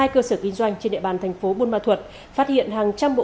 hai cơ sở kinh doanh trên địa bàn thành phố buôn ma thuật phát hiện hàng trăm bộ